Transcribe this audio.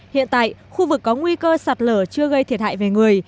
hiện tại khu vực có nguy cơ sạt lở chưa gây thiệt hại về người